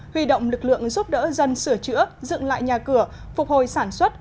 huy động lực lượng giúp đỡ dân sửa chữa dựng lại nhà cửa phục hồi sản xuất